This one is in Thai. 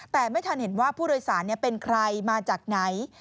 แต่ไม่ทันเห็นว่าผู้โดยสารเป็นใครมาจากไหน